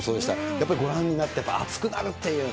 やっぱりご覧になって、熱くなるっていう。